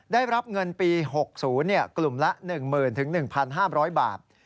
ได้รับเงินปี๖ศูนย์กลุ่มละ๑๐๐๐๐ถึง๑๕๐๐บาท